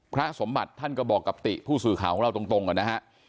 พระสมบัติท่านก็บอกกับติผู้สื่อข่าวของเราตรงกันนะฮะ